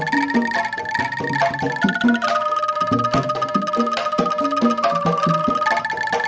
ini halnya keimanan